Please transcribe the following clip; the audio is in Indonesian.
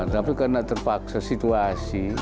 tapi karena terpaksa situasi